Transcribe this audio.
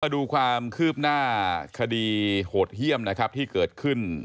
เพื่อดูความคืบหน้าคดีโหดเฮี่ยมที่เกิดขึ้น